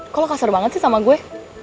kok lo kasar banget sih sama gue